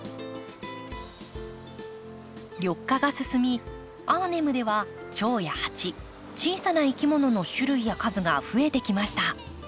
緑化が進みアーネムではチョウやハチ小さないきものの種類や数が増えてきました。